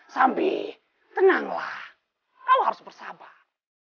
sambil tenanglah kau harus bersabar